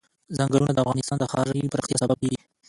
ځنګلونه د افغانستان د ښاري پراختیا سبب کېږي.